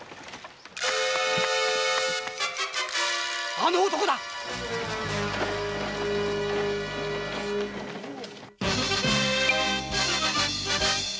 あの男だっ‼